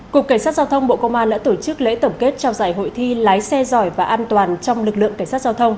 cục cảnh sát giao thông bộ công an đã tổ chức lễ tổng kết trao giải hội thi lái xe giỏi và an toàn trong lực lượng cảnh sát giao thông